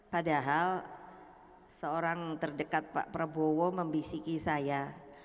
padahal seorang terdekat pak prabowo membisiki saya